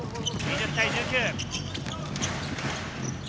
２０対１９。